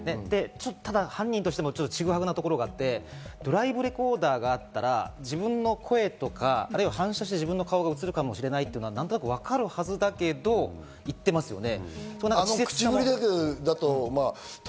犯人としてもちぐはぐなところがあって、ドライブレコーダーがあったら、自分の声とか反射して自分の顔が映るかもしれないとか何となくわかるはずだけれども言ってますよね。